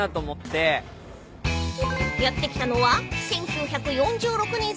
［やって来たのは］